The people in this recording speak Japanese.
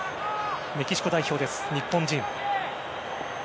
メキシコ代表の日本人。